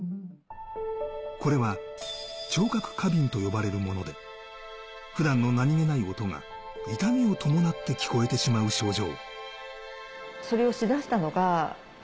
これは聴覚過敏と呼ばれるもので、普段の何気ない音が痛みを伴って聞こえてしまう症状。